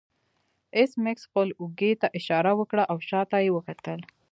ایس میکس خپل اوږې ته اشاره وکړه او شاته یې وکتل